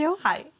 はい。